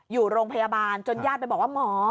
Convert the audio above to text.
อยู่โรงพยาบาลจนญาติไปบอกว่าหมอ